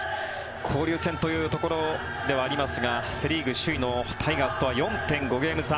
交流戦というところではありますがセ・リーグ首位のタイガースとは４．５ゲーム差。